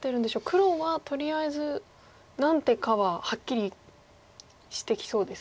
黒はとりあえず何手かははっきりしてきそうですか？